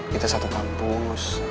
kita satu kampus